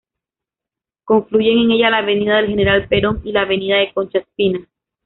Confluyen en ella la avenida del General Perón y la avenida de Concha Espina.